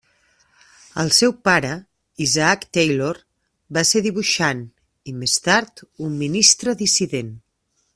El seu pare, Isaac Taylor, va ser dibuixant i més tard un ministre dissident.